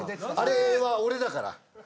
あれは俺だから。